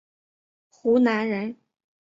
湖南人。